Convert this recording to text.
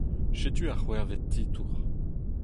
Setu ar c'hwec'hvet titour.